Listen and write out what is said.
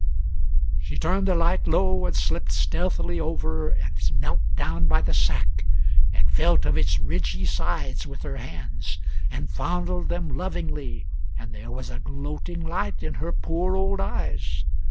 She turned the light low, and slipped stealthily over and knelt down by the sack and felt of its ridgy sides with her hands, and fondled them lovingly; and there was a gloating light in her poor old eyes.